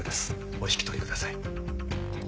お引き取りください。